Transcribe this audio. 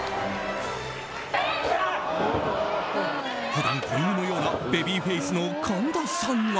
普段子犬のようなベビーフェースの神田さんが。